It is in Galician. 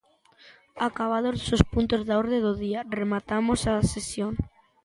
Acabados os puntos da orde do día, rematamos a sesión.